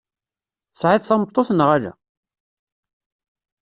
Tesɛiḍ tameṭṭut neɣ ala?